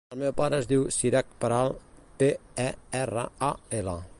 El meu pare es diu Siraj Peral: pe, e, erra, a, ela.